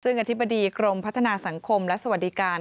ซึ่งอธิบดีกรมพัฒนาสังคมและสวัสดิการ